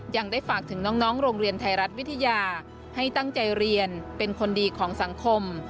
ยังได้ฝากถึงน้องโรงเรียนไทยรัฐวิทยาให้ตั้งใจเรียนเป็นคนดีของสังคม